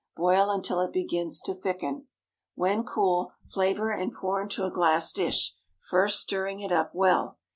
Boil until it begins to thicken. When cool, flavor and pour into a glass dish, first stirring it up well.